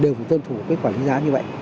đều phù tân thủ với quản lý giá như vậy